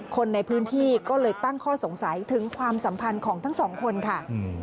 คนในพื้นที่ก็เลยตั้งข้อสงสัยถึงความสัมพันธ์ของทั้งสองคนค่ะ